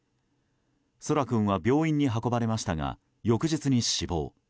空来君は病院に運ばれましたが翌日に死亡。